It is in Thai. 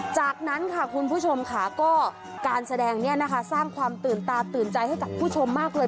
จากนั้นค่ะคุณผู้ชมค่ะก็การแสดงนี้นะคะสร้างความตื่นตาตื่นใจให้กับผู้ชมมากเลย